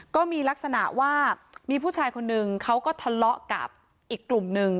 ก็มีลักษณะว่ามีผู้ชายคนนึงเขาก็ทะเลาะกับอีกกลุ่มนึง